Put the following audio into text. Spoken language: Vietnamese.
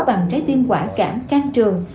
bằng trái tim quả cảm can trường